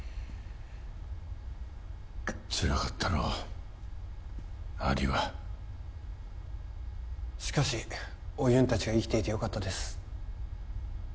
つらかったろうアリはしかしオユン達が生きていてよかったです